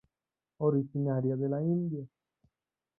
Originaria de la India.